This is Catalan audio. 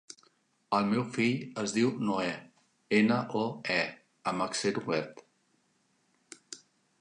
El meu fill es diu Noè: ena, o, e amb accent obert.